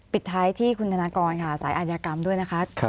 ปิดท้ายที่คุณธนากรค่ะสายอาธิกรรมด้วยนะคะ